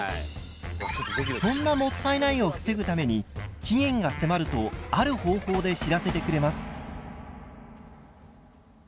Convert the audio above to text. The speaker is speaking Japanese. そんなもったいないを防ぐために期限が迫るとある方法で知らせてくれます。